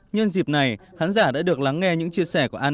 nhân dịp này khán giả đã được lắng nghe những chia sẻ của anne